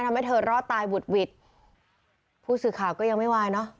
ทำให้เธอรอดตายบุดหวิดผู้สื่อข่าวก็ยังไม่วายเนอะ